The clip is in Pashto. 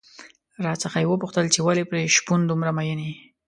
راڅخه یې وپوښتل چې ولې پر شپون دومره مين يې؟